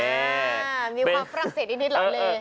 อ่ามีความฝรั่งเศสนิดหรอเออ